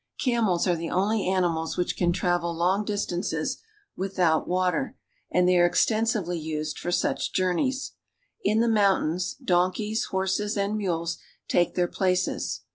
Camels are the only animals which can travel long distances without water, and they are exten sively used for such journeys. In the mountains, donkeys, horses, and mules take their places.